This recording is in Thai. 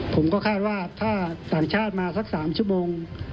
ผมก็คาดว่าถ้าต่างชาติมาสัก๓ชั่วโมง